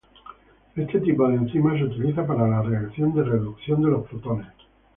Este tipo de enzimas se utiliza para la reacción de reducción de los protones.